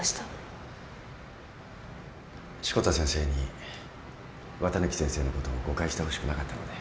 志子田先生に綿貫先生のことを誤解してほしくなかったので。